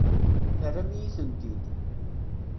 Terram-iyi-tent-id.